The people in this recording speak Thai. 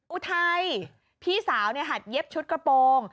อุทัยพี่สาวหัดเย็บชุดกระโปรง